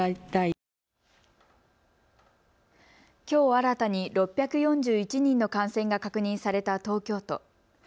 きょう新たに６４１人の感染が確認された東京都。